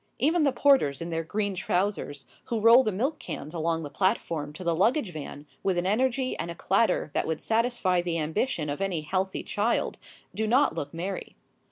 Even the porters in their green trousers, who roll the milk cans along the platform to the luggage van with an energy and a clatter that would satisfy the ambition of any healthy child, do not look merry.